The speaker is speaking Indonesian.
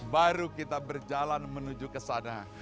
baru kita berjalan menuju kesana